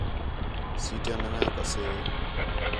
سیٹیاں نَویاں کَسے